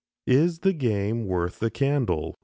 IS THE GAME WORTH THE CANDLE?